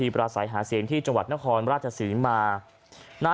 พลักษณ์นะครับ